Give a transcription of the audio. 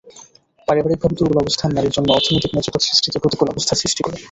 পারিবারিকভাবে দুর্বল অবস্থান নারীর জন্য অর্থনৈতিক ন্যায্যতা সৃষ্টিতে প্রতিকূল অবস্থার সৃষ্টি করে।